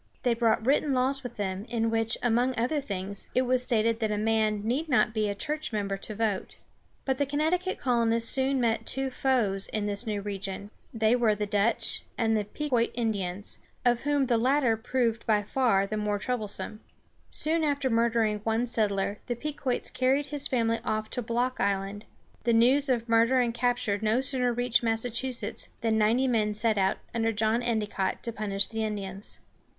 They brought written laws with them, in which, among other things, it was stated that a man need not be a church member to vote. But the Connecticut colonists soon met two foes in this new region; they were the Dutch and the Pe´quot Indians, of whom the latter proved by far the more troublesome. Soon after murdering one settler, the Pequots carried his family off to Block Island. The news of murder and capture no sooner reached Massachusetts, than ninety men set out, under John Endicott, to punish the Indians.